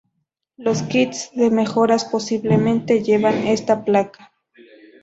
Los kits de mejoras posiblemente llevan esta placa.